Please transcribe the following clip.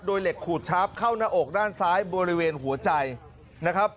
โดยเหล็กขูดชาร์ฟเข้าหน้าอกด้านซ้ายบริเวณหัวใจนะครับ